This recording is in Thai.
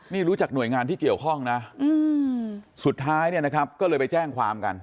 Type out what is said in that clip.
นี่รู้จักหน่วยงานที่เกี่ยวข้องนะสุดท้ายเนี่ยนะครับก็เลยไปแจ้งความกัน